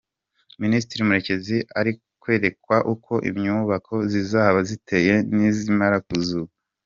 Minisitiri Murekezi ari kwerekwa uko imyubako zizaba ziteye nizimara kuzura.